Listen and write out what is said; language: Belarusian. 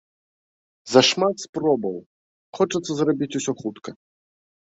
Зашмат спробаў, хочацца зрабіць усё хутка.